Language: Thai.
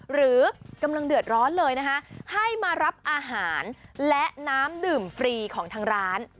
หรือกำลังเดือดร้อนเลยนะคะให้มารับอาหารและน้ำดื่มฟรีของทางร้าน